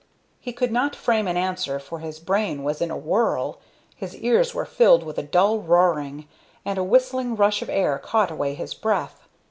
He could not frame an answer, for his brain was in a whirl, his ears were filled with a dull roaring, and a whistling rush of air caught away his breath.